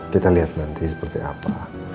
kita lihat nanti seperti apa